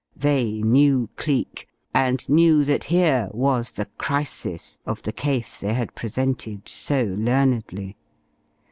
They knew Cleek, and knew that here was the crisis of the case they had presented so learnedly.